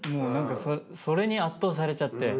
それに圧倒されちゃって。